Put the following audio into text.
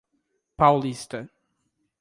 Paulista